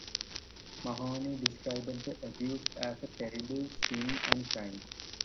Mahony described the abuse as a "terrible sin and crime".